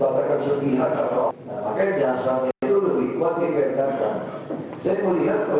kalau pergi di lokasi kok